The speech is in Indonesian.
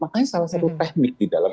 makanya salah satu teknik di dalam